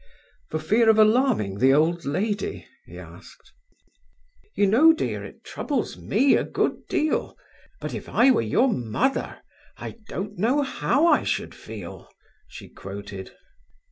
"For fear of alarming the old lady?" he asked. "'You know, dear, it troubles me a good deal … but if I were your mother, I don't know how I should feel,'" she quoted.